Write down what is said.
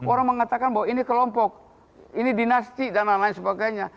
orang mengatakan bahwa ini kelompok ini dinasti dan lain lain sebagainya